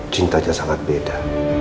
cintanya sangat beda